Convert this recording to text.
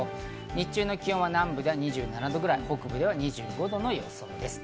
日中の気温は南部で２７度くらい、北部で２５度の予想です。